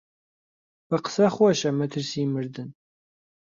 بە قسە خۆشە مەترسیی مردن